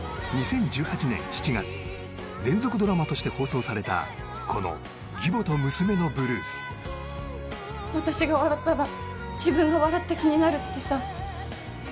２０１８年７月連続ドラマとして放送されたこの義母と娘のブルース私が笑ったら自分が笑った気になるってさ